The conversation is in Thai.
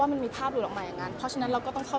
พอมันมีภาพหล่อมใหม่อย่างนั้น